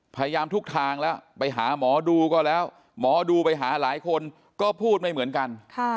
พยายามทุกทางแล้วไปหาหมอดูก็แล้วหมอดูไปหาหลายคนก็พูดไม่เหมือนกัน